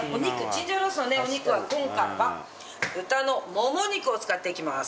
チンジャオロースのねお肉は今回は豚のもも肉を使っていきます。